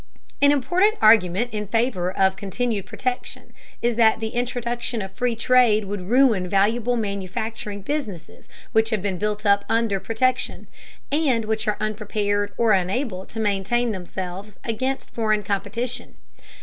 An important argument in favor of continued protection is that the introduction of free trade would ruin valuable manufacturing businesses which have been built up under protection, and which are unprepared or unable to maintain themselves against foreign competition.